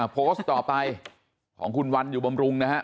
โพสต์ต่อไปของคุณวันอยู่บำรุงนะฮะ